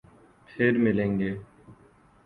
پھر ملیں گے